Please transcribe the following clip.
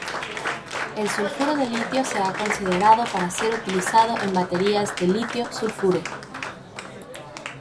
El sulfuro de litio se ha considerado para ser utilizado en baterías de litio-sulfuro.